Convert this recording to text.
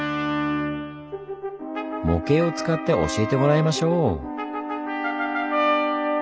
模型を使って教えてもらいましょう！